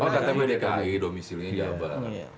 oh ktp dki domisilnya jabar